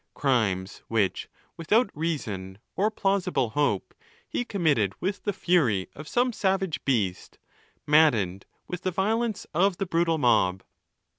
perpetrate—crimes which, without reason or plausible' hope, he committed with the fury of some savage beast, mad dened with the violence of the brutal mob.